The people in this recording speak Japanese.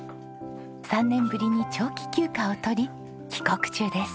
３年ぶりに長期休暇を取り帰国中です。